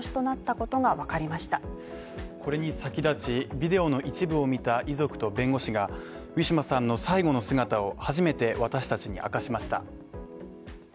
これに先立ち、ビデオの一部を見た遺族と弁護士がウィシュマさんの最期の姿を初めて私達に明かしました。